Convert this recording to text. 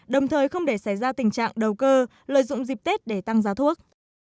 đồng thời không để xảy ra tình trạng đầu cơ lợi dụng dịp tết để tăng giá thuốc